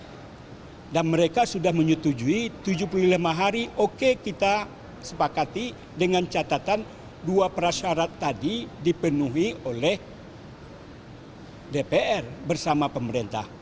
karena mereka sudah menyetujui tujuh puluh lima hari oke kita sepakati dengan catatan dua prasyarat tadi dipenuhi oleh dpr bersama pemerintah